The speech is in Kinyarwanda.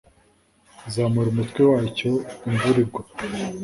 zamura umutwe wacyo imvura igwa;